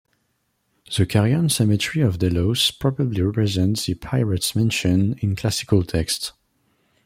The Carian cemetery of Delos probably represents the pirates mentioned in classical texts.